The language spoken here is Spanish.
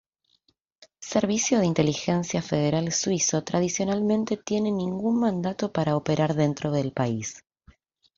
Servicio de Inteligencia Federal suizo tradicionalmente tiene ningún mandato para operar dentro del país.